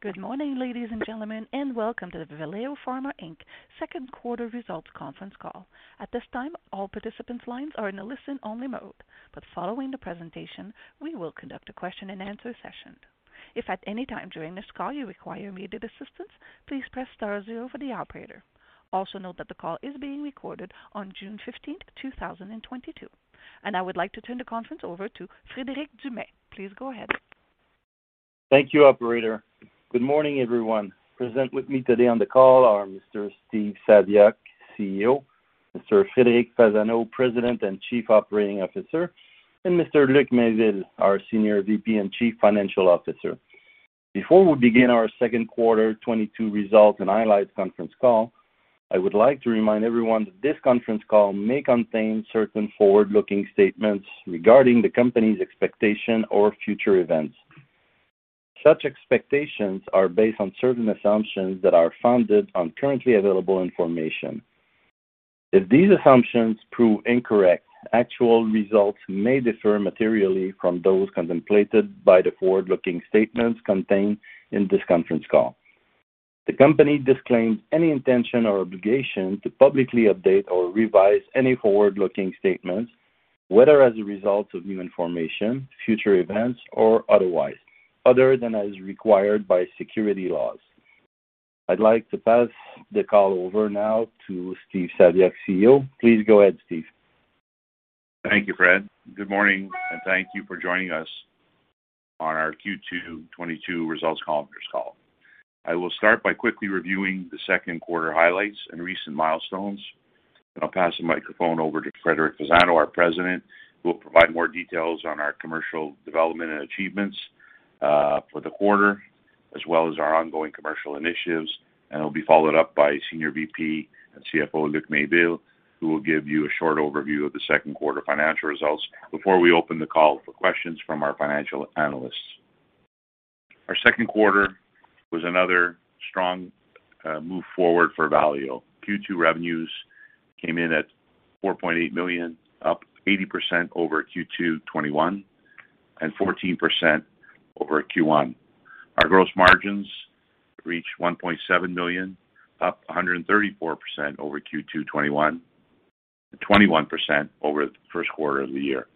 Good morning, ladies and gentlemen, and welcome to the Valeo Pharma Inc. second quarter results conference call. At this time, all participants' lines are in a listen-only mode, but following the presentation, we will conduct a question and answer session. If at any time during this call you require immediate assistance, please press star zero for the operator. Also note that the call is being recorded on June 15th, 2022. I would like to turn the conference over to Frederic Dumais. Please go ahead. Thank you, operator. Good morning, everyone. Present with me today on the call are Mr. Steve Saviuk, CEO, Mr. Frederic Fasano, President and Chief Operating Officer, and Mr. Luc Mainville, our Senior VP and Chief Financial Officer. Before we begin our second quarter 2022 results and highlights conference call, I would like to remind everyone that this conference call may contain certain forward-looking statements regarding the company's expectation or future events. Such expectations are based on certain assumptions that are founded on currently available information. If these assumptions prove incorrect, actual results may differ materially from those contemplated by the forward-looking statements contained in this conference call. The company disclaims any intention or obligation to publicly update or revise any forward-looking statements, whether as a result of new information, future events, or otherwise, other than as required by security laws. I'd like to pass the call over now to Steve Saviuk, CEO. Please go ahead, Steve. Thank you, Fred. Good morning, and thank you for joining us on our Q2 2022 results conference call. I will start by quickly reviewing the second quarter highlights and recent milestones. I'll pass the microphone over to Frederic Fasano, our president, who will provide more details on our commercial development and achievements for the quarter, as well as our ongoing commercial initiatives. He'll be followed up by Senior VP and CFO Luc Mainville, who will give you a short overview of the second quarter financial results before we open the call for questions from our financial analysts. Our second quarter was another strong move forward for Valeo. Q2 revenues came in at 4.8 million, up 80% over Q2 2021, and 14% over Q1. Our gross margins reached 1.7 million, up 134% over Q2 2021, and 21% over the first quarter of the year.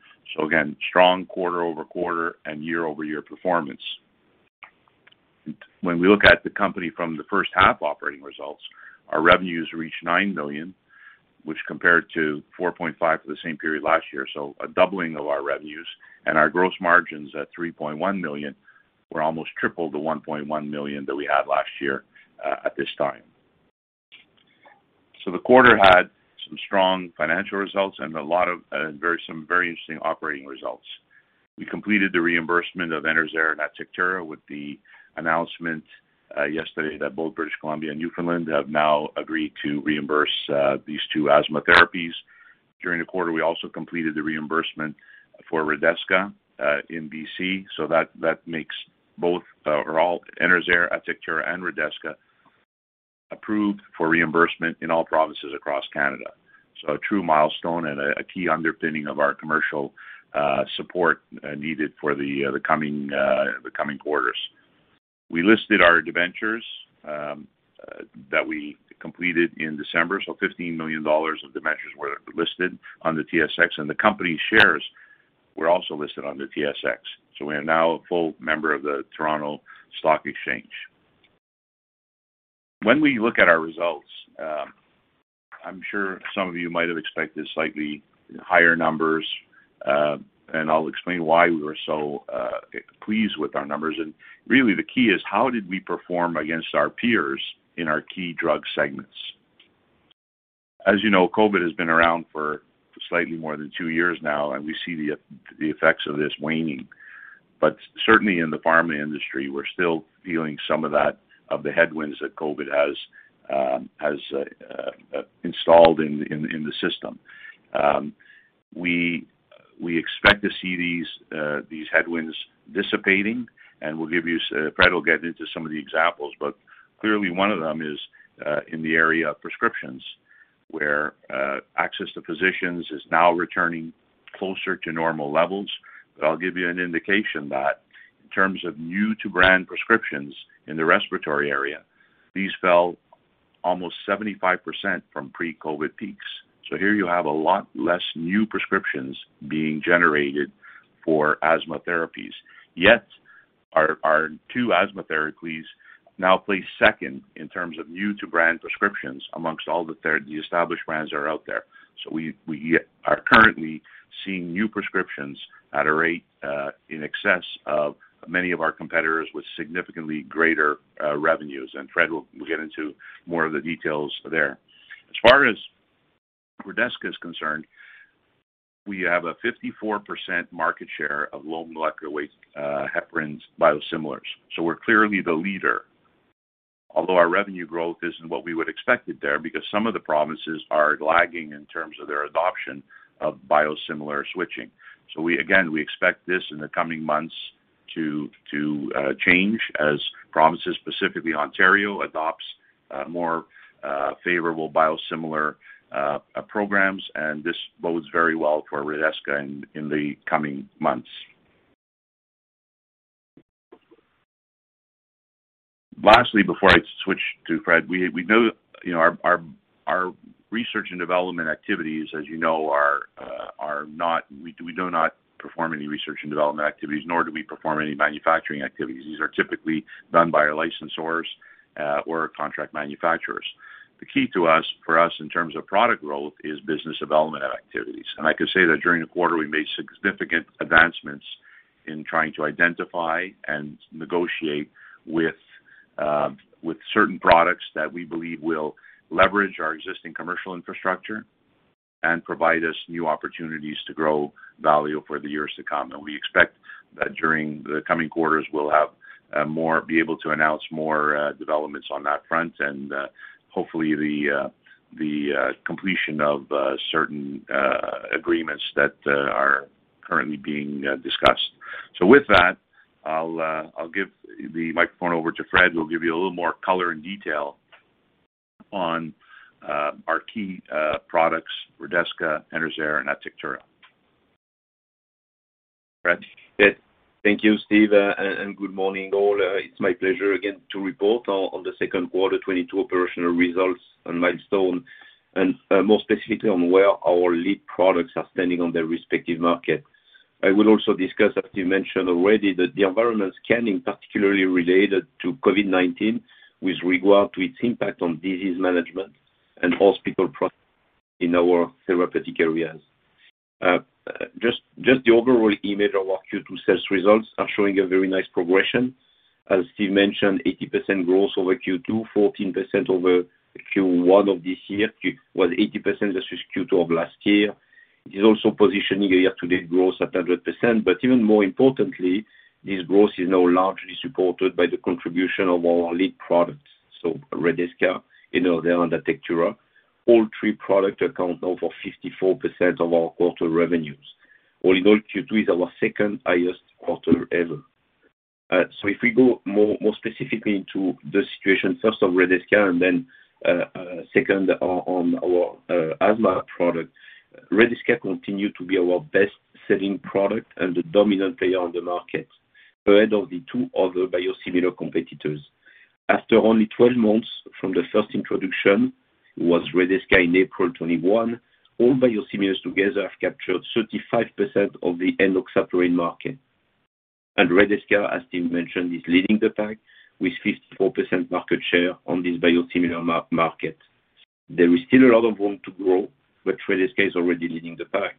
Again, strong quarter-over-quarter and year-over-year performance. When we look at the company from the first half operating results, our revenues reached 9 million, which compared to 4.5 million for the same period last year, so a doubling of our revenues. Our gross margins at 3.1 million were almost triple the 1.1 million that we had last year at this time. The quarter had some strong financial results and a lot of some very interesting operating results. We completed the reimbursement of Enerzair and Atectura with the announcement yesterday that both British Columbia and Newfoundland have now agreed to reimburse these two asthma therapies. During the quarter, we also completed the reimbursement for Redesca in BC, so that makes both or all Enerzair, Atectura and Redesca approved for reimbursement in all provinces across Canada. A true milestone and a key underpinning of our commercial support needed for the coming quarters. We listed our debentures that we completed in December. 15 million dollars of debentures were listed on the TSX, and the company shares were also listed on the TSX. We are now a full member of the Toronto Stock Exchange. When we look at our results, I'm sure some of you might have expected slightly higher numbers, and I'll explain why we were so pleased with our numbers. Really the key is how did we perform against our peers in our key drug segments? As you know, COVID has been around for slightly more than two years now, and we see the effects of this waning. Certainly in the pharma industry, we're still feeling some of the headwinds that COVID has installed in the system. We expect to see these headwinds dissipating, and we'll give you. Fred will get into some of the examples. Clearly one of them is in the area of prescriptions, where access to physicians is now returning closer to normal levels. I'll give you an indication that in terms of new-to-brand prescriptions in the respiratory area, these fell almost 75% from pre-COVID peaks. Here you have a lot less new prescriptions being generated for asthma therapies. Yet, our two asthma therapies now place second in terms of new to brand prescriptions among all the established brands that are out there. We are currently seeing new prescriptions at a rate in excess of many of our competitors with significantly greater revenues. Fred will get into more of the details there. As far as Redesca is concerned, we have a 54% market share of low-molecular-weight heparin biosimilars. We're clearly the leader, although our revenue growth isn't what we would expected there because some of the provinces are lagging in terms of their adoption of biosimilar switching. We again expect this in the coming months to change as provinces, specifically Ontario, adopt more favorable biosimilar programs. This bodes very well for Redesca in the coming months. Lastly, before I switch to Fred, we know our research and development activities, as you know, are not. We do not perform any research and development activities, nor do we perform any manufacturing activities. These are typically done by our licensors or contract manufacturers. The key for us, in terms of product growth, is business development activities. I can say that during the quarter we made significant advancements in trying to identify and negotiate with certain products that we believe will leverage our existing commercial infrastructure and provide us new opportunities to grow value for the years to come. We expect that during the coming quarters, we'll be able to announce more developments on that front and hopefully the completion of certain agreements that are currently being discussed. With that, I'll give the microphone over to Fred, who will give you a little more color and detail on our key products, Redesca, Enerzair, and Atectura. Fred? Yes. Thank you, Steve. And good morning, all. It's my pleasure again to report on the second quarter 2022 operational results and milestone and more specifically on where our lead products are standing on their respective market. I will also discuss, as you mentioned already, the environmental scanning particularly related to COVID-19 with regard to its impact on disease management and hospital procedures in our therapeutic areas. Just the overall image of our Q2 sales results are showing a very nice progression. As Steve mentioned, 80% growth over Q2, 14% over Q1 of this year. Well, 80% versus Q2 of last year. It is also positioning a year-to-date growth at 100%. Even more importantly, this growth is now largely supported by the contribution of our lead products. Redesca, Enerzair and Atectura, all three products account over 54% of our quarter revenues. Q2 is our second-highest quarter ever. If we go more specifically into the situation, first on Redesca and then second on our asthma product. Redesca continues to be our best-selling product and the dominant player on the market, ahead of the two other biosimilar competitors. After only 12 months from the first introduction of Redesca in April 2021, all biosimilars together have captured 35% of the enoxaparin market. Redesca, as Steve mentioned, is leading the pack with 54% market share on this biosimilar market. There is still a lot of room to grow, but Redesca is already leading the pack.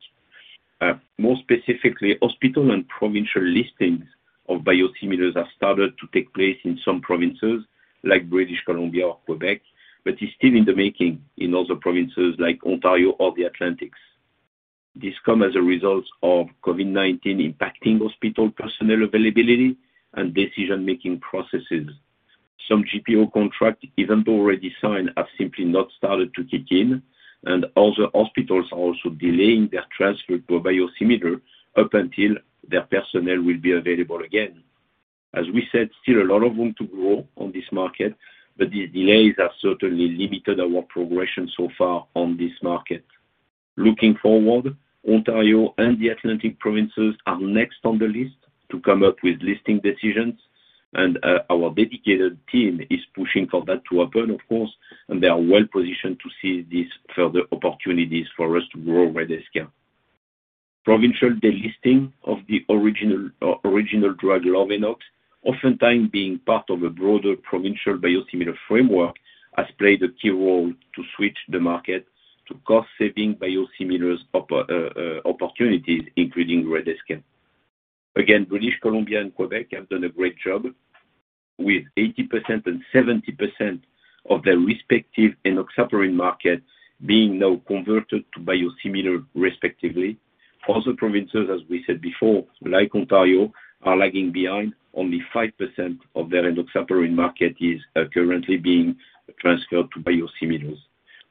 More specifically, hospital and provincial listings of biosimilars have started to take place in some provinces like British Columbia or Quebec, but is still in the making in other provinces like Ontario or the Atlantics. This come as a result of COVID-19 impacting hospital personnel availability and decision-making processes. Some GPO contract, even though already signed, have simply not started to kick in, and other hospitals are also delaying their transfer to a biosimilar up until their personnel will be available again. As we said, still a lot of room to grow on this market, but the delays have certainly limited our progression so far on this market. Looking forward, Ontario and the Atlantic provinces are next on the list to come up with listing decisions, and our dedicated team is pushing for that to happen, of course, and they are well positioned to seize these further opportunities for us to grow Redesca. Provincial delisting of the original drug Lovenox, oftentimes being part of a broader provincial biosimilar framework, has played a key role to switch the market to cost-saving biosimilars opportunities, including Redesca. Again, British Columbia and Quebec have done a great job with 80% and 70% of their respective enoxaparin market being now converted to biosimilar, respectively. Other provinces, as we said before, like Ontario, are lagging behind. Only 5% of their enoxaparin market is currently being transferred to biosimilars.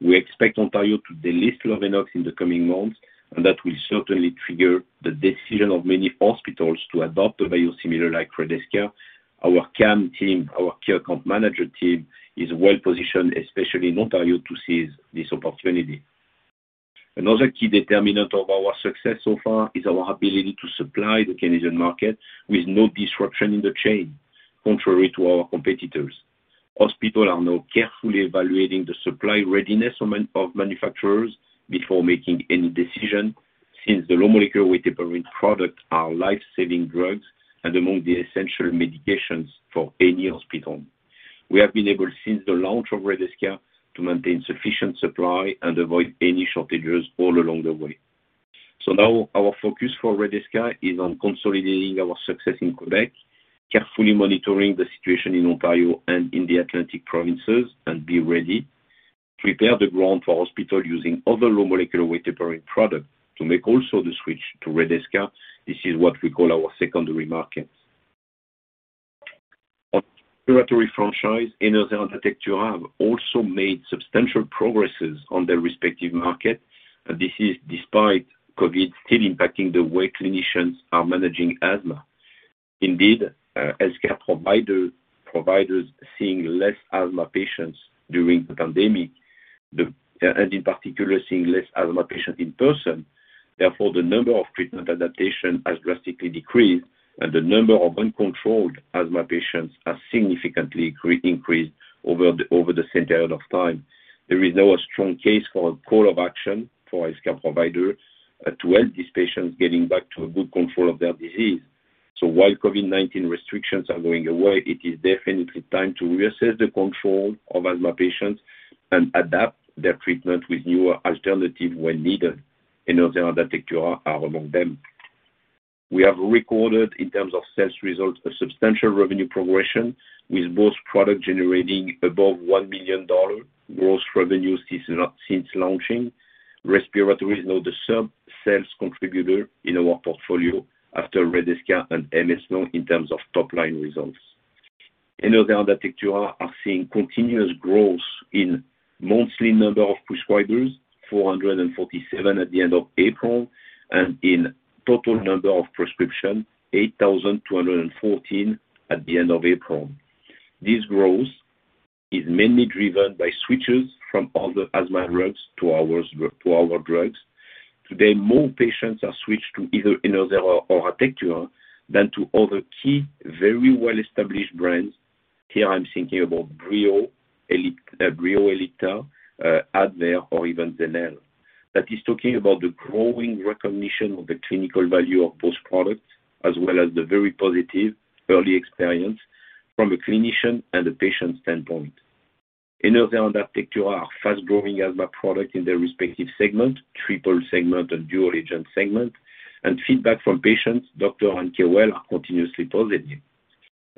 We expect Ontario to delist Lovenox in the coming months, and that will certainly trigger the decision of many hospitals to adopt a biosimilar like Redesca. Our CAM team, our care account manager team, is well positioned, especially in Ontario, to seize this opportunity. Another key determinant of our success so far is our ability to supply the Canadian market with no disruption in the chain, contrary to our competitors. Hospitals are now carefully evaluating the supply readiness of manufacturers before making any decision, since the low-molecular-weight heparin products are life-saving drugs and among the essential medications for any hospital. We have been able, since the launch of Redesca, to maintain sufficient supply and avoid any shortages all along the way. Now our focus for Redesca is on consolidating our success in Quebec, carefully monitoring the situation in Ontario and in the Atlantic provinces, and be ready. Prepare the ground for hospital using other low-molecular-weight heparin product to make also the switch to Redesca. This is what we call our secondary markets. Our respiratory franchise, Enerzair and Atectura, have also made substantial progresses on their respective market. This is despite COVID still impacting the way clinicians are managing asthma. Indeed, healthcare providers seeing less asthma patients during the pandemic. In particular, seeing less asthma patients in person. Therefore, the number of treatment adaptation has drastically decreased, and the number of uncontrolled asthma patients has significantly increased over the same period of time. There is now a strong case for a call of action for healthcare providers to help these patients getting back to a good control of their disease. While COVID-19 restrictions are going away, it is definitely time to reassess the control of asthma patients and adapt their treatment with newer alternative when needed. In other words, Atectura are among them. We have recorded, in terms of sales results, a substantial revenue progression, with both product generating above 1 million dollar gross revenue since launching. Respiratory is now the second sales contributor in our portfolio after Redesca and M-Eslon in terms of top-line results. In other words, Atectura are seeing continuous growth in monthly number of prescribers, 447 at the end of April, and in total number of prescription, 8,214 at the end of April. This growth is mainly driven by switches from other asthma drugs to our drugs. Today, more patients are switched to either Enerzair or Atectura than to other key, very well-established brands. Here I'm thinking about Breo Ellipta, Advair, or even Xarelto. That is talking about the growing recognition of the clinical value of those products, as well as the very positive early experience from a clinician and a patient standpoint. In other words, Atectura are fast-growing asthma product in their respective segment, triple segment and dual agent segment, and feedback from patients, doctors, and caregivers are continuously positive.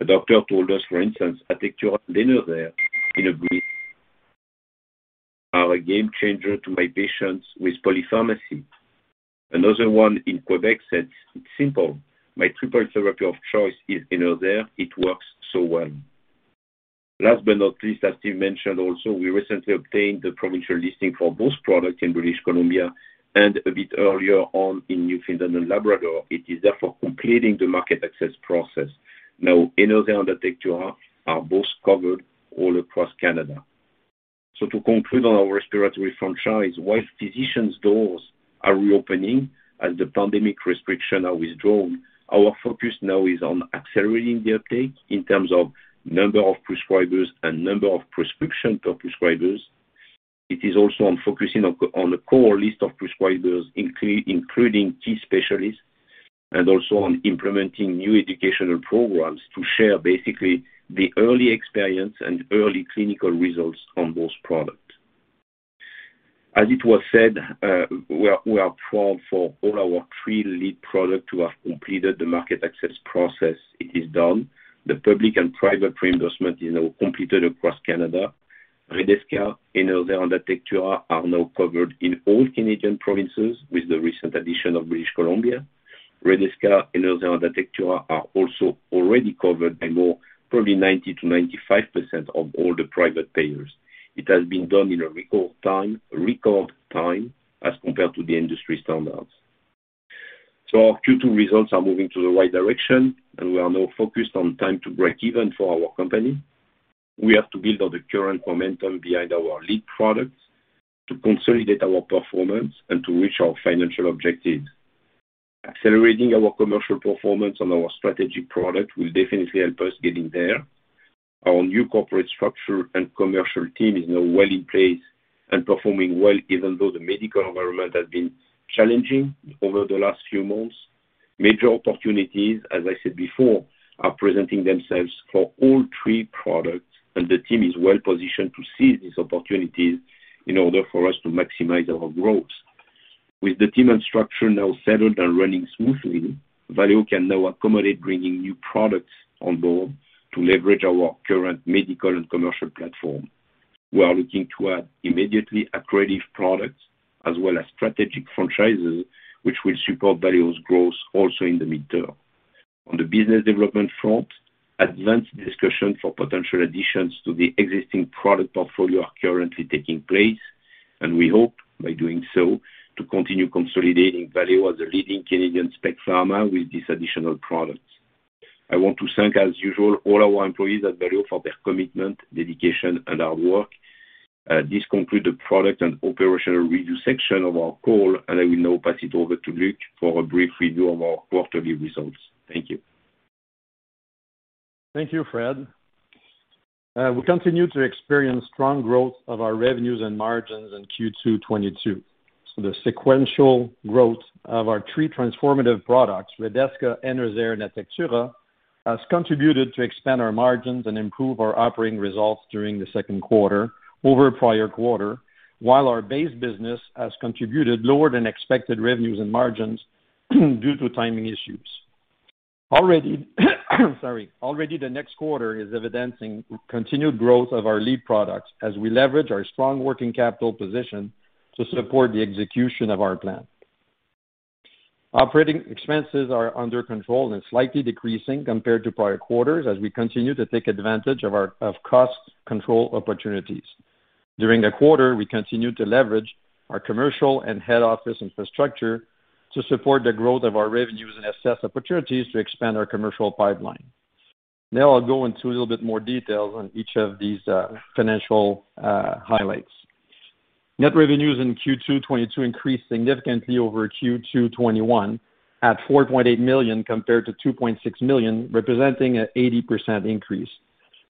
A doctor told us, for instance, "Atectura and Enerzair in a Breezhaler are a game changer to my patients with polypharmacy." Another one in Quebec said, "It's simple. My triple therapy of choice is Enerzair. It works so well. Last but not least, as Steve mentioned also, we recently obtained the provincial listing for both products in British Columbia and a bit earlier on in Newfoundland and Labrador. It is therefore completing the market access process. Now, Enerzair and Atectura are both covered all across Canada. To conclude on our respiratory franchise, while physicians' doors are reopening as the pandemic restriction are withdrawn, our focus now is on accelerating the uptake in terms of number of prescribers and number of prescription per prescribers. It is also on focusing on a core list of prescribers, including key specialists, and also on implementing new educational programs to share basically the early experience and early clinical results on those products. As it was said, we are proud for all our three lead product to have completed the market access process. It is done. The public and private reimbursement is now completed across Canada. Redesca and other Atectura are now covered in all Canadian provinces with the recent addition of British Columbia. Redesca and other Atectura are also already covered by more probably 90%-95% of all the private payers. It has been done in a record time, as compared to the industry standards. Our Q2 results are moving to the right direction, and we are now focused on time to break even for our company. We have to build on the current momentum behind our lead products to consolidate our performance and to reach our financial objectives. Accelerating our commercial performance on our strategic product will definitely help us getting there. Our new corporate structure and commercial team is now well in place and performing well, even though the medical environment has been challenging over the last few months. Major opportunities, as I said before, are presenting themselves for all three products, and the team is well-positioned to seize these opportunities in order for us to maximize our growth. With the team and structure now settled and running smoothly, Valeo can now accommodate bringing new products on board to leverage our current medical and commercial platform. We are looking to add immediately accretive products as well as strategic franchises, which will support Valeo's growth also in the midterm. On the business development front, advanced discussions for potential additions to the existing product portfolio are currently taking place, and we hope, by doing so, to continue consolidating Valeo as a leading Canadian specialty pharma with these additional products. I want to thank, as usual, all our employees at Valeo for their commitment, dedication, and hard work. This concludes the product and operational review section of our call, and I will now pass it over to Luc for a brief review of our quarterly results. Thank you. Thank you, Fred. We continue to experience strong growth of our revenues and margins in Q2 2022. The sequential growth of our three transformative products, Redesca, Enerzair, and Atectura, has contributed to expand our margins and improve our operating results during the second quarter over prior quarter, while our base business has contributed lower than expected revenues and margins due to timing issues. Already the next quarter is evidencing continued growth of our lead products as we leverage our strong working capital position to support the execution of our plan. Operating expenses are under control and slightly decreasing compared to prior quarters as we continue to take advantage of our cost control opportunities. During the quarter, we continued to leverage our commercial and head office infrastructure to support the growth of our revenues and assess opportunities to expand our commercial pipeline. Now I'll go into a little bit more details on each of these, financial, highlights. Net revenues in Q2 2022 increased significantly over Q2 2021 at 4.8 million compared to 2.6 million, representing an 80% increase.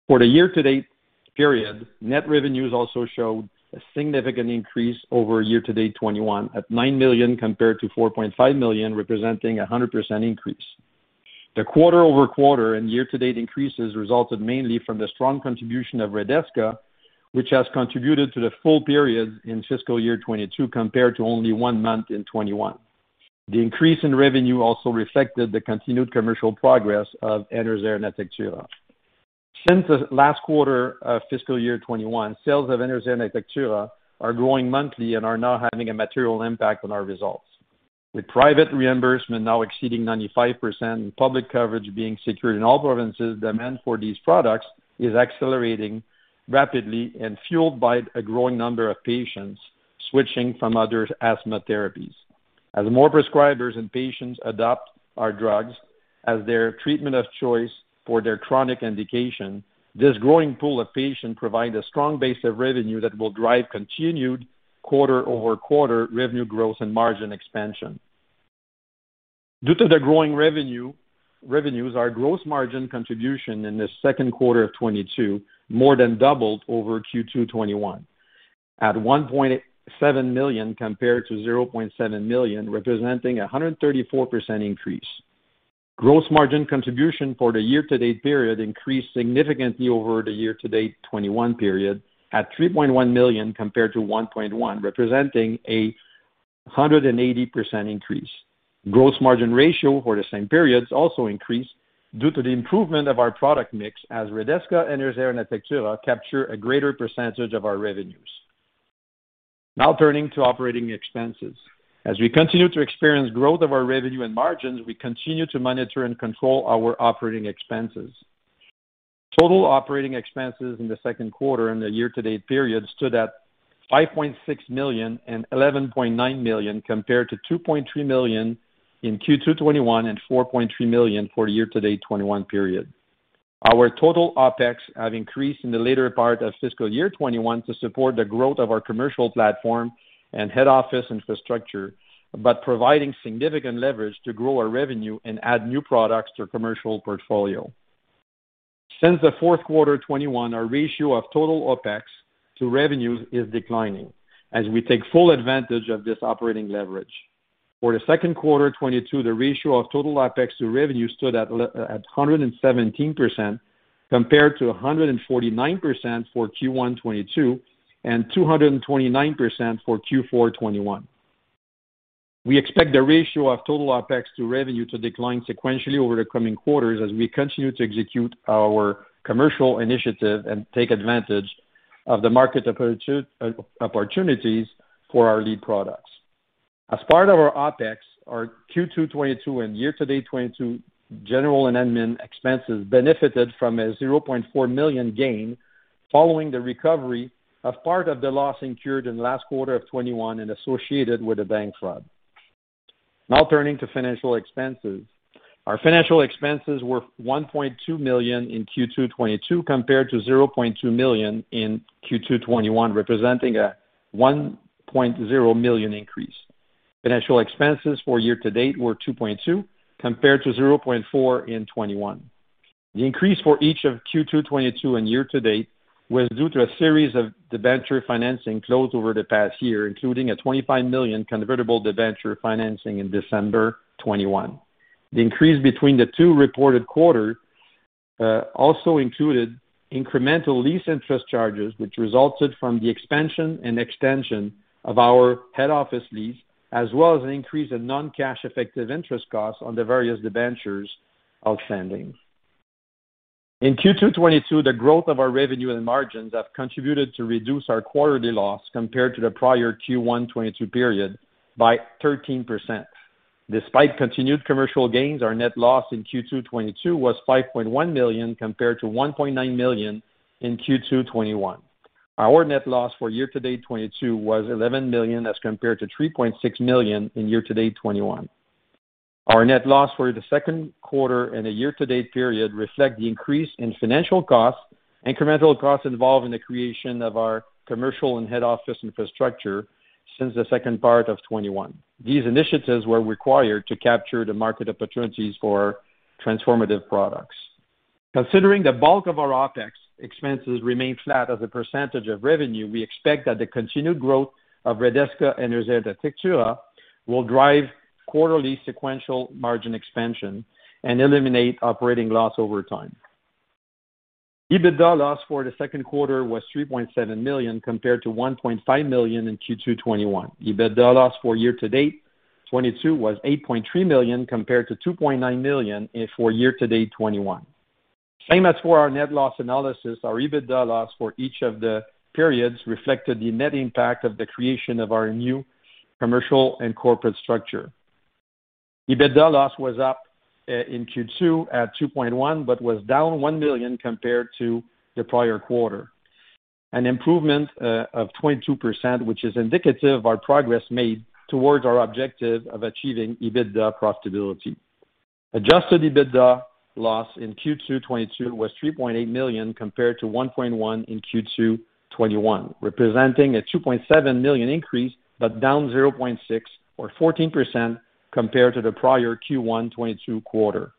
For the year-to-date period, net revenues also showed a significant increase over year-to-date 2021 at 9 million compared to 4.5 million, representing a 100% increase. The quarter-over-quarter and year-to-date increases resulted mainly from the strong contribution of Redesca, which has contributed to the full period in fiscal year 2022, compared to only one month in 2021. The increase in revenue also reflected the continued commercial progress of Enerzair and Atectura. Since the last quarter of fiscal year 2021, sales of Enerzair and Atectura are growing monthly and are now having a material impact on our results. With private reimbursement now exceeding 95% and public coverage being secured in all provinces, demand for these products is accelerating rapidly and fueled by a growing number of patients switching from other asthma therapies. As more prescribers and patients adopt our drugs as their treatment of choice for their chronic indication, this growing pool of patients provide a strong base of revenue that will drive continued quarter-over-quarter revenue growth and margin expansion. Due to the growing revenue, our gross margin contribution in the second quarter of 2022 more than doubled over Q2 2021 at 1.7 million compared to 0.7 million, representing a 134% increase. Gross margin contribution for the year-to-date period increased significantly over the year-to-date 2021 period, at 3.1 million compared to 1.1 million, representing a 180% increase. Gross margin ratio for the same periods also increased due to the improvement of our product mix as Redesca and Enerzair and Atectura capture a greater percentage of our revenues. Now turning to operating expenses. As we continue to experience growth of our revenue and margins, we continue to monitor and control our operating expenses. Total operating expenses in the second quarter and the year-to-date period stood at 5.6 million and 11.9 million, compared to 2.3 million in Q2 2021 and 4.3 million for the year-to-date 2021 period. Our total OpEx have increased in the later part of fiscal year 2021 to support the growth of our commercial platform and head office infrastructure, but providing significant leverage to grow our revenue and add new products to our commercial portfolio. Since the fourth quarter 2021, our ratio of total OpEx to revenues is declining as we take full advantage of this operating leverage. For the second quarter 2022, the ratio of total OpEx to revenue stood at 117%, compared to 149% for Q1 2022 and 229% for Q4 2021. We expect the ratio of total OpEx to revenue to decline sequentially over the coming quarters as we continue to execute our commercial initiative and take advantage of the market opportunities for our lead products. As part of our OpEx, our Q2 2022 and year-to-date 2022 general and admin expenses benefited from a 0.4 million gain following the recovery of part of the loss incurred in the last quarter of 2021 and associated with a bank fraud. Now turning to financial expenses. Our financial expenses were 1.2 million in Q2 2022 compared to 0.2 million in Q2 2021, representing a 1.0 million increase. Financial expenses for year to date were 2.2 million compared to 0.4 million in 2021. The increase for each of Q2 2022 and year to date was due to a series of debenture financing closed over the past year, including a CAD 25 million convertible debenture financing in December 2021. The increase between the two reported quarters also included incremental lease interest charges, which resulted from the expansion and extension of our head office lease, as well as an increase in non-cash effective interest costs on the various debentures outstanding. In Q2 2022, the growth of our revenue and margins have contributed to reduce our quarterly loss compared to the prior Q1 2022 period by 13%. Despite continued commercial gains, our net loss in Q2 2022 was 5.1 million compared to 1.9 million in Q2 2021. Our net loss for year-to-date 2022 was 11 million as compared to 3.6 million in year-to-date 2021. Our net loss for the second quarter and the year-to-date period reflect the increase in financial costs, incremental costs involved in the creation of our commercial and head office infrastructure since the second part of 2021. These initiatives were required to capture the market opportunities for transformative products. Considering the bulk of our OpEx expenses remain flat as a percentage of revenue, we expect that the continued growth of Redesca and Enerzair Atectura will drive quarterly sequential margin expansion and eliminate operating loss over time. EBITDA loss for the second quarter was 3.7 million, compared to 1.5 million in Q2 2021. EBITDA loss for year-to-date 2022 was 8.3 million, compared to 2.9 million and for year-to-date 2021. Same as for our net loss analysis, our EBITDA loss for each of the periods reflected the net impact of the creation of our new commercial and corporate structure. EBITDA loss was up in Q2 at 2.1, but was down 1 million compared to the prior quarter, an improvement of 22%, which is indicative of our progress made towards our objective of achieving EBITDA profitability. Adjusted EBITDA loss in Q2 2022 was 3.8 million compared to 1.1 million in Q2 2021, representing a 2.7 million increase, but down 0.6 million or 14% compared to the prior Q1 2022 quarter.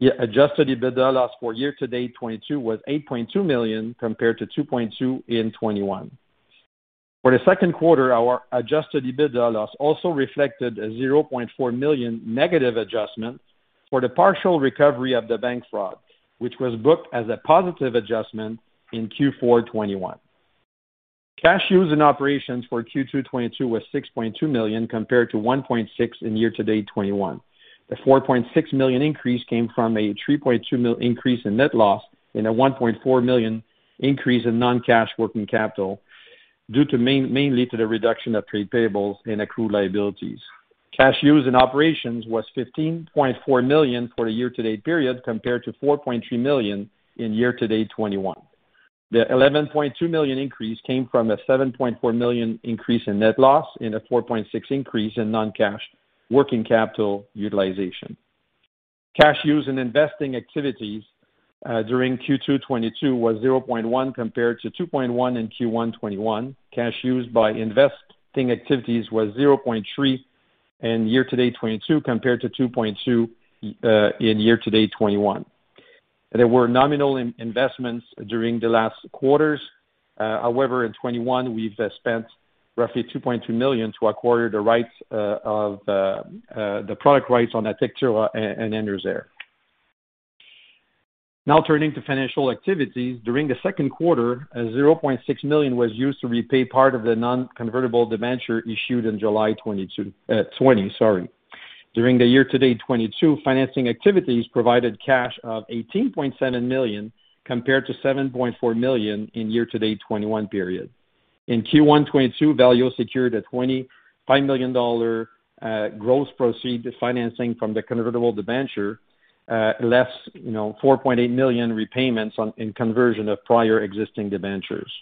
The adjusted EBITDA loss for year-to-date 2022 was 8.2 million compared to 2.2 million in 2021. For the second quarter, our adjusted EBITDA loss also reflected a 0.4 million negative adjustment for the partial recovery of the bank fraud, which was booked as a positive adjustment in Q4 2021. Cash used in operations for Q2 2022 was 6.2 million compared to 1.6 million in year-to-date 2021. The 4.6 million increase came from a 3.2 million increase in net loss and a 1.4 million increase in non-cash working capital mainly due to the reduction of trade payables and accrued liabilities. Cash used in operations was CAD 15.4 million for a year-to-date period compared to CAD 4.3 million in year-to-date 2021. The CAD 11.2 million increase came from a CAD 7.4 million increase in net loss and a CAD 4.6 million increase in non-cash working capital utilization. Cash used in investing activities during Q2 2022 was 0.1 million compared to 2.1 million in Q1 2021. Cash used in investing activities was 0.3 million in year-to-date 2022 compared to 2.2 million in year-to-date 2021. There were nominal investments during the last quarters. However, in 2021, we've spent roughly 2.2 million to acquire the rights of the product rights on Atectura and Enerzair. Now turning to financial activities. During the second quarter, 0.6 million was used to repay part of the non-convertible debenture issued in July 2020. During the year-to-date 2022, financing activities provided cash of 18.7 million compared to 7.4 million in year-to-date 2021 period. In Q1 2022, Valeo secured a CAD 25 million gross proceeds financing from the convertible debenture, less, you know, 4.8 million repayments on, in conversion of prior existing debentures.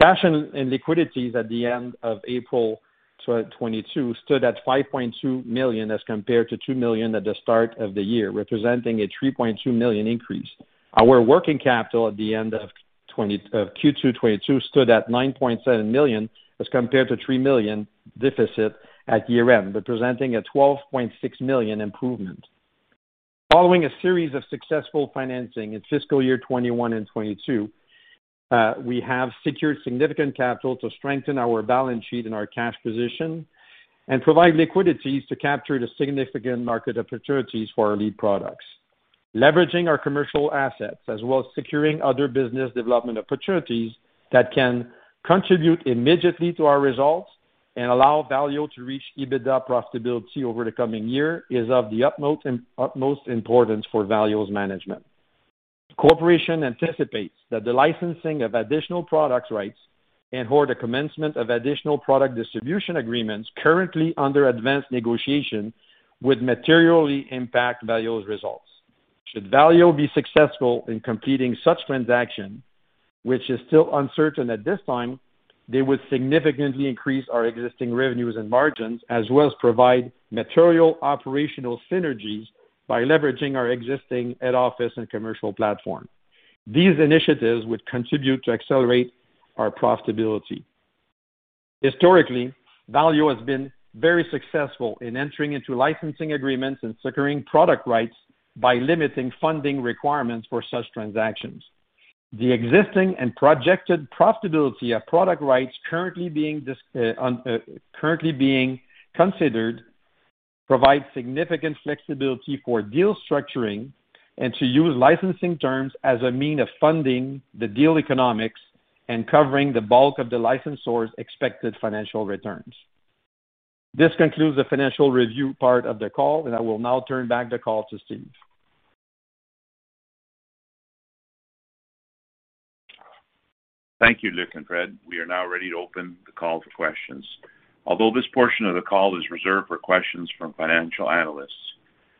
Cash and liquidity at the end of April 2022 stood at 5.2 million as compared to 2 million at the start of the year, representing a 3.2 million increase. Our working capital at the end of Q2 2022 stood at 9.7 million as compared to 3 million deficit at year-end, representing a 12.6 million improvement. Following a series of successful financing in fiscal year 2021 and 2022, we have secured significant capital to strengthen our balance sheet and our cash position and provide liquidity to capture the significant market opportunities for our lead products. Leveraging our commercial assets as well as securing other business development opportunities that can contribute immediately to our results and allow Valeo to reach EBITDA profitability over the coming year is of the utmost importance for Valeo's management. The corporation anticipates that the licensing of additional product rights and/or the commencement of additional product distribution agreements currently under advanced negotiation would materially impact Valeo's results. Should Valeo be successful in completing such transaction, which is still uncertain at this time, they would significantly increase our existing revenues and margins, as well as provide material operational synergies by leveraging our existing head office and commercial platform. These initiatives would contribute to accelerate our profitability. Historically, Valeo has been very successful in entering into licensing agreements and securing product rights by limiting funding requirements for such transactions. The existing and projected profitability of product rights currently being considered provide significant flexibility for deal structuring and to use licensing terms as a means of funding the deal economics and covering the bulk of the licensors' expected financial returns. This concludes the financial review part of the call, and I will now turn back the call to Steve. Thank you, Luc and Fred. We are now ready to open the call for questions. Although this portion of the call is reserved for questions from financial analysts,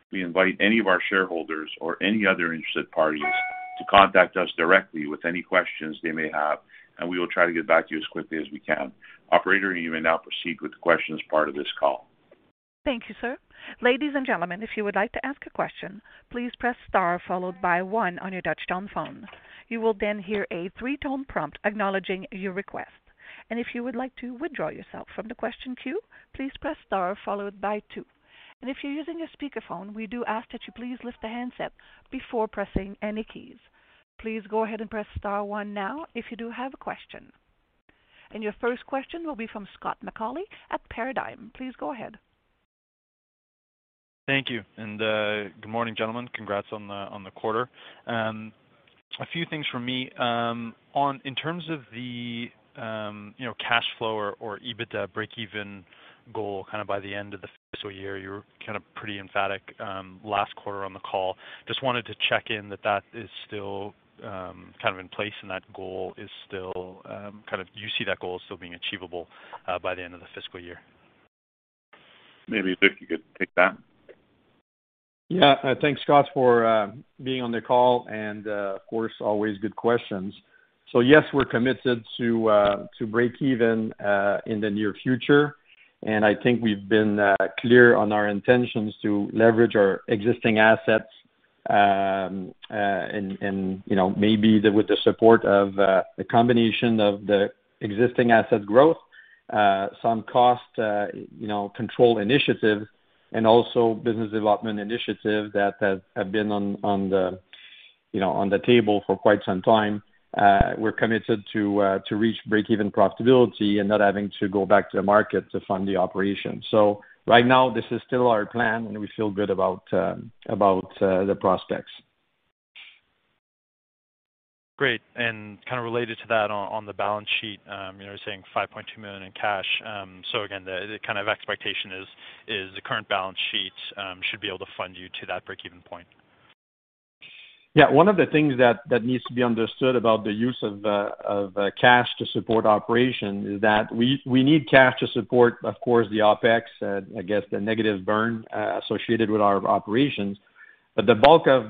we invite any of our shareholders or any other interested parties to contact us directly with any questions they may have, and we will try to get back to you as quickly as we can. Operator, you may now proceed with the questions part of this call. Thank you, sir. Ladies and gentlemen, if you would like to ask a question, please press star followed by one on your touch-tone phone. You will then hear a three-tone prompt acknowledging your request. If you would like to withdraw yourself from the question queue, please press star followed by two. If you're using a speakerphone, we do ask that you please lift the handset before pressing any keys. Please go ahead and press star one now if you do have a question. Your first question will be from Scott McAuley at Paradigm. Please go ahead. Thank you. Good morning, gentlemen. Congrats on the quarter. A few things from me. In terms of the, you know, cash flow or EBITDA breakeven goal kind of by the end of the fiscal year, you were kind of pretty emphatic last quarter on the call. Just wanted to check in that is still kind of in place and that goal is still kind of you see that goal as still being achievable by the end of the fiscal year. Maybe if you could take that. Yeah. Thanks, Scott, for being on the call and, of course, always good questions. Yes, we're committed to break even in the near future. I think we've been clear on our intentions to leverage our existing assets, and, you know, maybe with the support of the combination of the existing asset growth, some cost, you know, control initiatives and also business development initiatives that have been on, you know, on the table for quite some time. We're committed to reach break-even profitability and not having to go back to the market to fund the operation. Right now, this is still our plan, and we feel good about the prospects. Great. Kind of related to that on the balance sheet, you know, you're saying 5.2 million in cash. Again, the kind of expectation is the current balance sheet should be able to fund you to that break-even point. Yeah. One of the things that needs to be understood about the use of cash to support operation is that we need cash to support, of course, the OpEx, I guess, the negative burn associated with our operations. The bulk of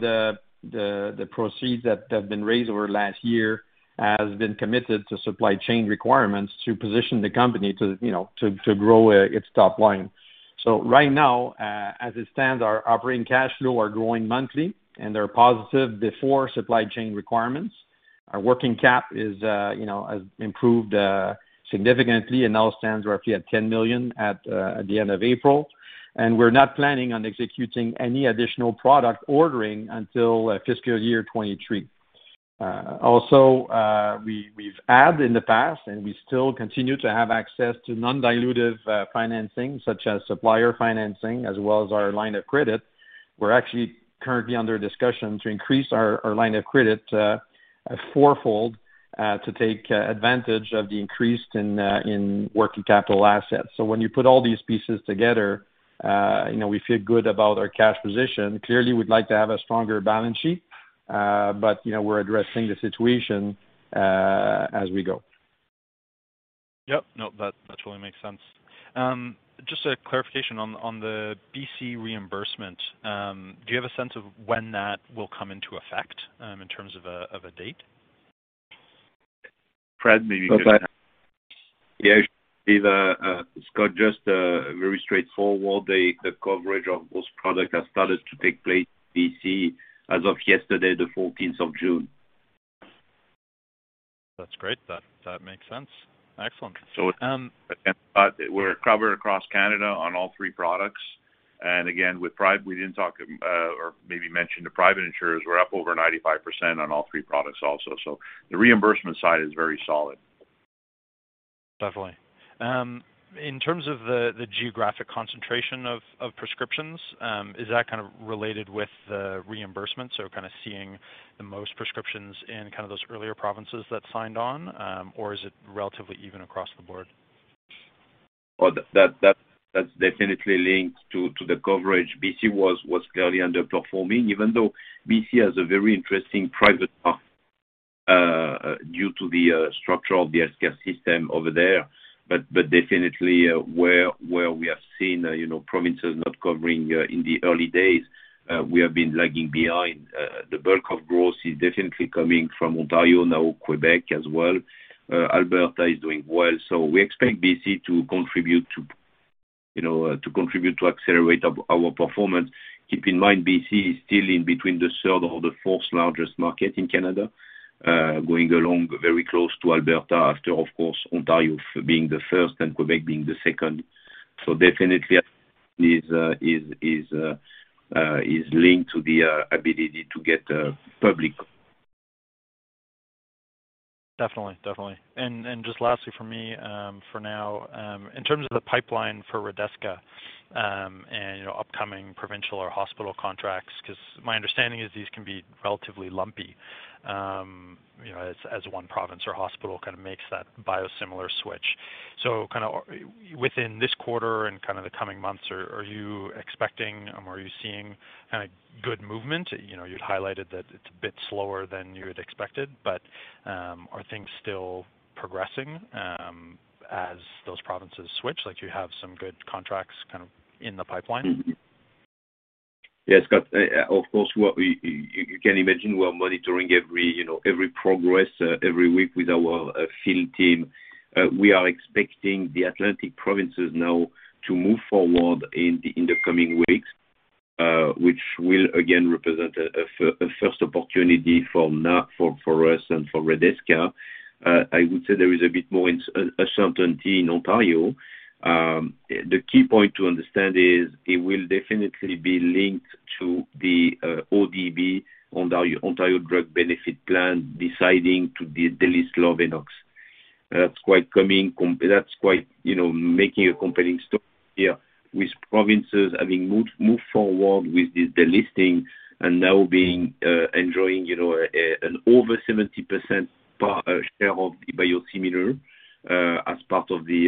the proceeds that have been raised over last year has been committed to supply chain requirements to position the company to, you know, to grow its top line. Right now, as it stands, our operating cash flow are growing monthly and they're positive before supply chain requirements. Our working cap is, you know, has improved significantly and now stands roughly at 10 million at the end of April. We're not planning on executing any additional product ordering until fiscal year 2023. Also, we've added in the past, and we still continue to have access to non-dilutive financing such as supplier financing as well as our line of credit. We're actually currently under discussion to increase our line of credit to four-fold to take advantage of the increase in working capital assets. When you put all these pieces together, you know, we feel good about our cash position. Clearly, we'd like to have a stronger balance sheet, but you know, we're addressing the situation as we go. Yep. No, that totally makes sense. Just a clarification on the BC reimbursement. Do you have a sense of when that will come into effect, in terms of a date? Fred, maybe you can Yeah. Scott, just very straightforward. The coverage of those products have started to take place in BC as of yesterday, the fourteenth of June. That's great. That makes sense. Excellent. We're covered across Canada on all three products. Again, with private, we didn't talk or maybe mention the private insurers, we're up over 95% on all three products also. The reimbursement side is very solid. Definitely. In terms of the geographic concentration of prescriptions, is that kind of related with the reimbursement? Kind of seeing the most prescriptions in kind of those earlier provinces that signed on, or is it relatively even across the board? That's definitely linked to the coverage. BC was clearly underperforming, even though BC has a very interesting private path due to the structure of the healthcare system over there. Definitely, where we have seen, you know, provinces not covering in the early days, we have been lagging behind. The bulk of growth is definitely coming from Ontario now, Quebec as well. Alberta is doing well. We expect BC to contribute to, you know, to accelerate our performance. Keep in mind, BC is still in between the third or the fourth largest market in Canada, going along very close to Alberta after, of course, Ontario being the first and Quebec being the second. Definitely is linked to the ability to get public. Definitely. Just lastly from me, for now, in terms of the pipeline for Redesca, and, you know, upcoming provincial or hospital contracts, 'cause my understanding is these can be relatively lumpy, you know, as one province or hospital kind of makes that biosimilar switch. Kind of within this quarter and kind of the coming months, are you expecting or are you seeing kind of good movement? You know, you'd highlighted that it's a bit slower than you had expected, but, are things still progressing, as those provinces switch, like you have some good contracts kind of in the pipeline? Yeah, Scott, of course. You can imagine we are monitoring every, you know, progress every week with our field team. We are expecting the Atlantic provinces now to move forward in the coming weeks, which will again represent a first opportunity for now for us and for Redesca. I would say there is a bit more uncertainty in Ontario. The key point to understand is it will definitely be linked to the ODB, the Ontario Drug Benefit plan, deciding to delist Lovenox. That's quite, you know, making a compelling story here with provinces having moved forward with the delisting and now enjoying, you know, an over 70% share of the biosimilar as part of the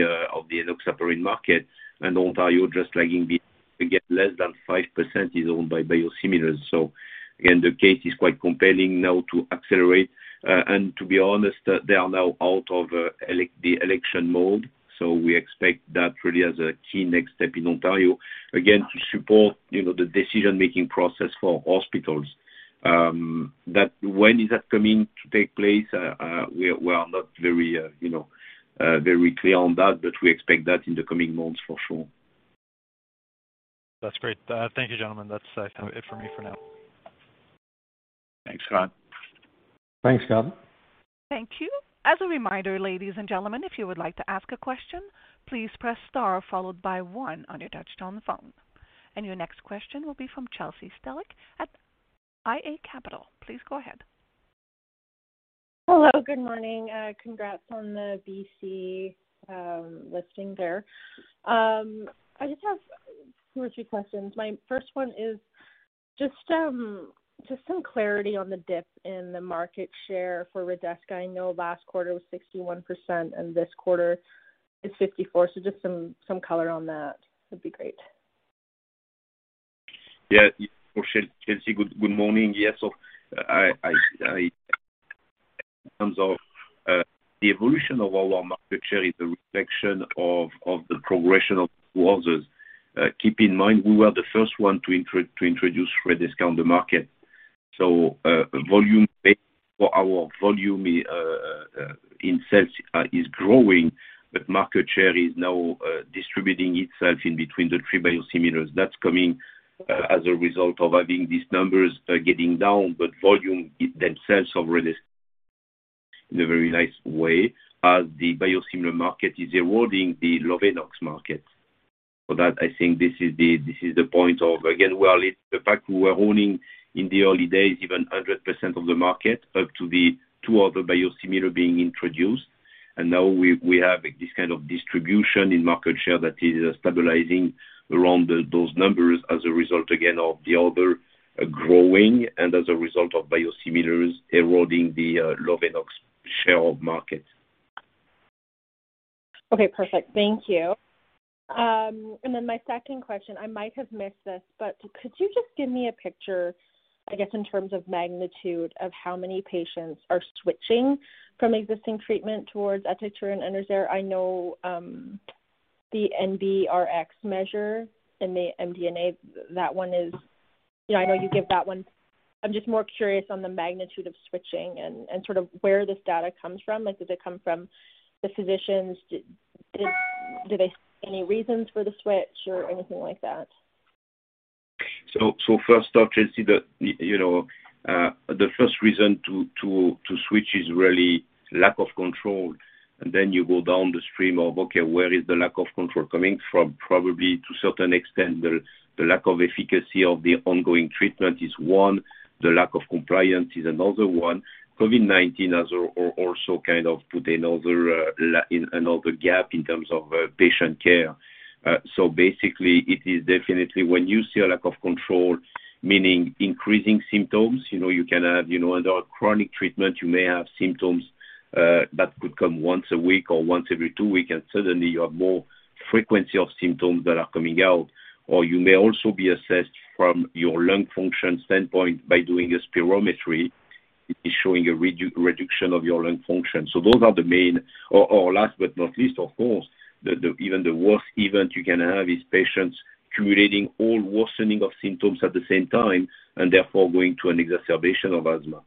enoxaparin market and Ontario just lagging behind. Again, less than 5% is owned by biosimilars. The case is quite compelling now to accelerate. To be honest, they are now out of the election mode. We expect that really as a key next step in Ontario, again to support, you know, the decision-making process for hospitals. That, when is that coming to take place? We are not very clear on that, but we expect that in the coming months for sure. That's great. Thank you, gentlemen. That's it for me for now. Thanks, Scott. Thanks, Scott. Thank you. As a reminder, ladies and gentlemen, if you would like to ask a question, please press star followed by one on your touchtone phone. Your next question will be from Chelsea Stellick at iA Capital Markets. Please go ahead. Hello, good morning. Congrats on the TSX listing there. I just have two or three questions. My first one is just some clarity on the dip in the market share for Redesca. I know last quarter was 61% and this quarter is 54%, so just some color on that would be great. For Chelsea, good morning. In terms of the evolution of our market share is a reflection of the progression of towards us. Keep in mind, we were the first one to introduce Redesca on the market. Our volume in sales is growing, but market share is now distributing itself in between the three biosimilars. That's coming as a result of having these numbers getting down, but volumes themselves have really in a very nice way as the biosimilar market is eroding the Lovenox market. For that, I think this is the point of again, it's the fact we were owning in the early days even 100% of the market up to the two other biosimilars being introduced. Now we have this kind of distribution in market share that is stabilizing around those numbers as a result again of the other growing and as a result of biosimilars eroding the Lovenox share of market. Okay, perfect. Thank you. And then my second question, I might have missed this, but could you just give me a picture, I guess, in terms of magnitude of how many patients are switching from existing treatment towards Atectura and Enerzair? I know the NBRx measure in the IQVIA, that one is. You know, I know you give that one. I'm just more curious on the magnitude of switching and sort of where this data comes from. Like, does it come from the physicians? Do they see any reasons for the switch or anything like that? First off, Chelsea, the first reason to switch is really lack of control. Then you go downstream, where is the lack of control coming from? Probably to a certain extent, the lack of efficacy of the ongoing treatment is one. The lack of compliance is another one. COVID-19 has also kind of put another gap in terms of patient care. Basically, it is definitely when you see a lack of control, meaning increasing symptoms, you know, you can have, you know, under a chronic treatment, you may have symptoms that could come once a week or once every two weeks, and suddenly you have more frequency of symptoms that are coming out. Or you may also be assessed from your lung function standpoint by doing a spirometry. It is showing a reduction of your lung function. Those are the main. Last but not least, of course, the worst event you can have is patients accumulating all worsening of symptoms at the same time and therefore going to an exacerbation of asthma.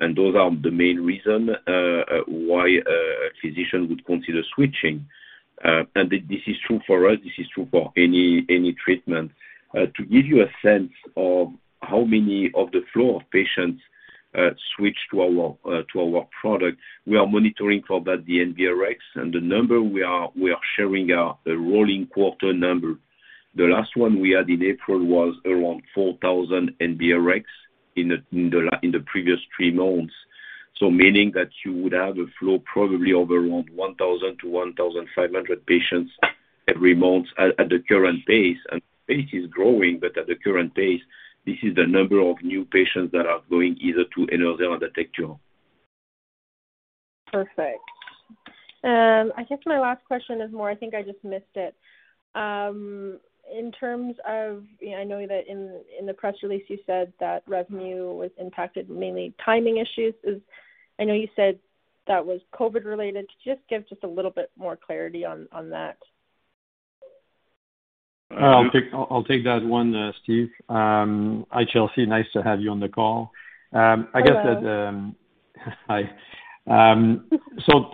Those are the main reason why a physician would consider switching. This is true for us, this is true for any treatment. To give you a sense of how many of the flow of patients switch to our product, we are monitoring for that the NBRx. The number we are sharing our rolling quarter number. The last one we had in April was around 4,000 NBRx in the previous three months. Meaning that you would have a flow probably of around 1,000-1,500 patients every month at the current pace. Pace is growing, but at the current pace, this is the number of new patients that are going either to Enerzair or Atectura. Perfect. I guess my last question is more, I think I just missed it. In terms of, I know that in the press release, you said that revenue was impacted, mainly timing issues is. I know you said that was COVID related. Just give a little bit more clarity on that. I'll take that one, Steve. Hi, Chelsea. Nice to have you on the call. I guess that. Hello. Hi.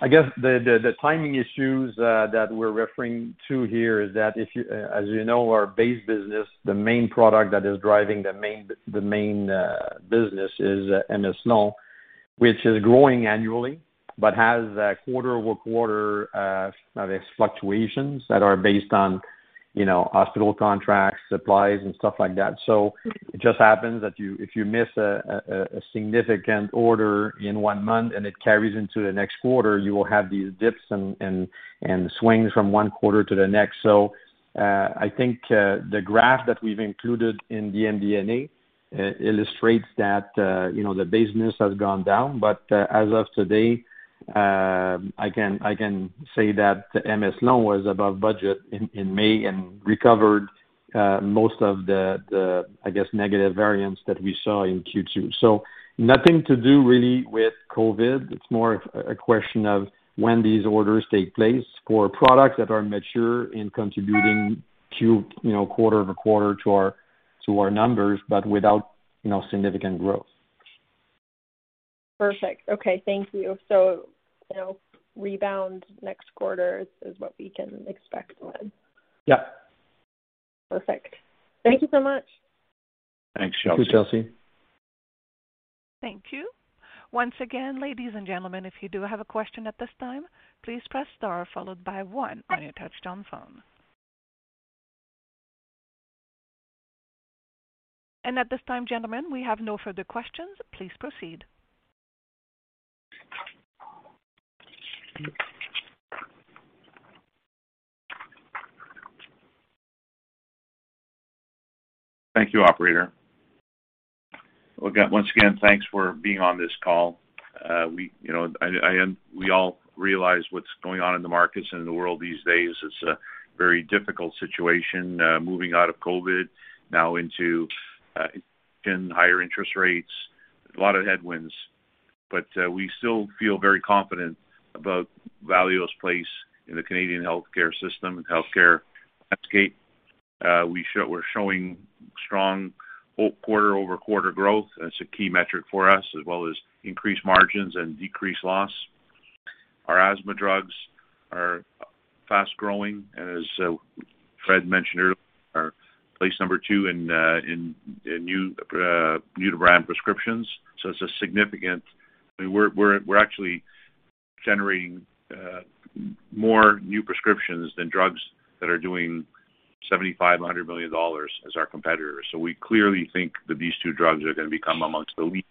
I guess the timing issues that we're referring to here is that as you know, our base business, the main product that is driving the main business is M-Eslon, which is growing annually, but has a quarter-over-quarter sort of fluctuations that are based on, you know, hospital contracts, supplies and stuff like that. It just happens that if you miss a significant order in one month and it carries into the next quarter, you will have these dips and swings from one quarter to the next. I think the graph that we've included in the MD&A illustrates that, you know, the business has gone down. As of today, I can say that the M-Eslon was above budget in May and recovered most of the, I guess, negative variance that we saw in Q2. Nothing to do really with COVID. It's more a question of when these orders take place for products that are mature in contributing quarter over quarter to our numbers, but without, you know, significant growth. Perfect. Okay. Thank you. You know, rebound next quarter is what we can expect then? Yeah. Perfect. Thank you so much. Thanks, Chelsea. Thank you, Chelsea. Thank you. Once again, ladies and gentlemen, if you do have a question at this time, please press star followed by one on your touchtone phone. At this time, gentlemen, we have no further questions. Please proceed. Thank you, operator. Well, thanks for being on this call. You know, we all realize what's going on in the markets and in the world these days. It's a very difficult situation, moving out of COVID now into higher interest rates. A lot of headwinds. We still feel very confident about Valeo's place in the Canadian healthcare system and healthcare landscape. We're showing strong quarter-over-quarter growth. That's a key metric for us, as well as increased margins and decreased loss. Our asthma drugs are fast growing, and as Fred mentioned earlier, are placed number two in new-to-brand prescriptions. It's a significant. We're actually generating more new prescriptions than drugs that are doing 75 million dollars, CAD 100 million as our competitors. We clearly think that these two drugs are gonna become among the lead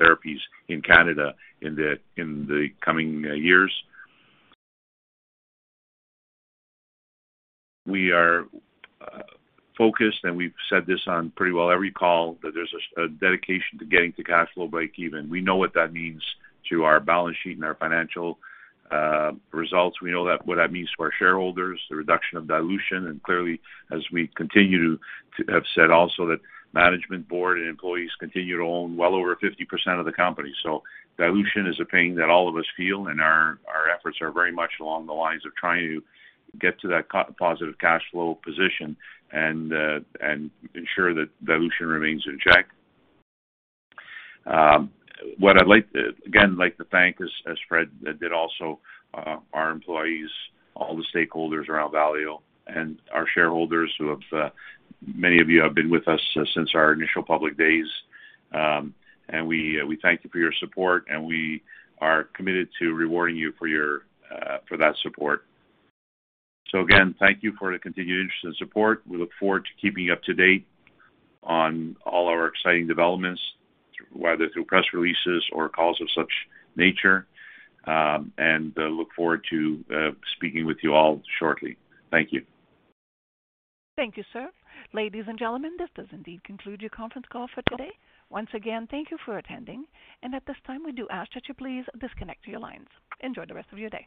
therapies in Canada in the coming years. We are focused, and we've said this on pretty well every call, that there's a dedication to getting to cash flow break even. We know what that means to our balance sheet and our financial results. We know that, what that means to our shareholders, the reduction of dilution. Clearly, as we continue to have said also, that management board and employees continue to own well over 50% of the company. Dilution is a pain that all of us feel, and our efforts are very much along the lines of trying to get to that cash-positive cash flow position and ensure that dilution remains in check. What I'd like to thank, again, as Fred did also, our employees, all the stakeholders around Valeo and our shareholders, many of you have been with us since our initial public days. We thank you for your support, and we are committed to rewarding you for that support. Again, thank you for the continued interest and support. We look forward to keeping you up to date on all our exciting developments, whether through press releases or calls of such nature, and look forward to speaking with you all shortly. Thank you. Thank you, sir. Ladies and gentlemen, this does indeed conclude your conference call for today. Once again, thank you for attending. At this time, we do ask that you please disconnect your lines. Enjoy the rest of your day.